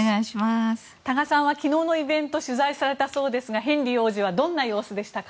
多賀さんは昨日のイベントを取材されたそうですがヘンリー王子はどんな様子でしたか？